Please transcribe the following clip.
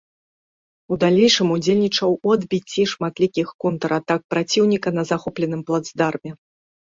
У далейшым удзельнічаў у адбіцці шматлікіх контратак праціўніка на захопленым плацдарме.